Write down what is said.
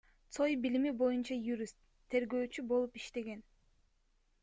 Цой — билими боюнча юрист, тергөөчү болуп иштеген.